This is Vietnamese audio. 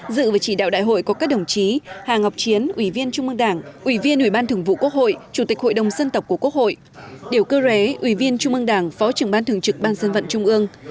dự và chỉ đạo đại hội có các đồng chí hà ngọc chiến ủy viên trung mương đảng ủy viên ủy ban thường vụ quốc hội chủ tịch hội đồng dân tộc của quốc hội điều cơ ré ủy viên trung ương đảng phó trưởng ban thường trực ban dân vận trung ương